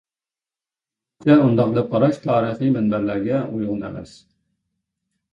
بىزنىڭچە ئۇنداق دەپ قاراش تارىخىي مەنبەلەرگە ئۇيغۇن ئەمەس.